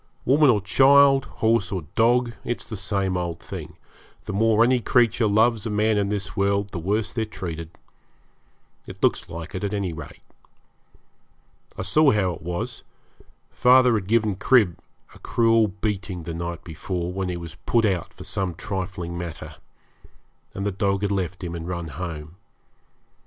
Woman or child, horse or dog, it's the same old thing the more any creature loves a man in this world the worse they're treated. It looks like it, at any rate. I saw how it was; father had given Crib a cruel beating the night before, when he was put out for some trifling matter, and the dog had left him and run home.